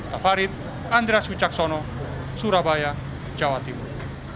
tafarib andres wicaksono surabaya jawa timur